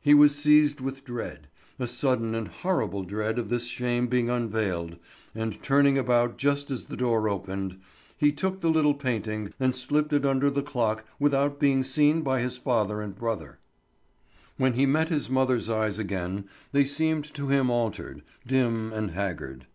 He was seized with dread, a sudden and horrible dread of this shame being unveiled, and, turning about just as the door opened, he took the little painting and slipped it under the clock without being seen by his father and brother. When he met his mother's eyes again they seemed to him altered, dim, and haggard.